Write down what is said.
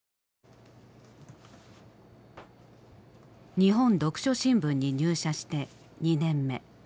「日本読書新聞」に入社して２年目。